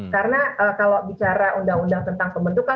karena kalau bicara undang undang tentang pembentukan